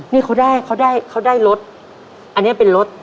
นี่เขาได้เขาได้เขาได้รถอันนี้เป็นรถ